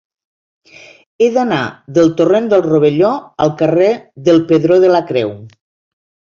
He d'anar del torrent del Rovelló al carrer del Pedró de la Creu.